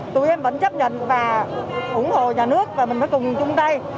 tụi em vẫn chấp nhận và ủng hộ nhà nước và mình phải cùng chung tay